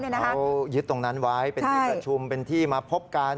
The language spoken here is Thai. เขายึดตรงนั้นไว้เป็นที่ประชุมเป็นที่มาพบกัน